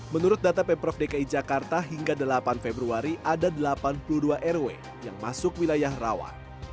menurut data pemprov dki jakarta hingga delapan februari ada delapan puluh dua rw yang masuk wilayah rawa